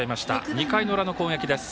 ２回の裏の攻撃です。